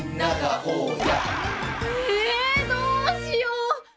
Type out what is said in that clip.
ええどうしよう！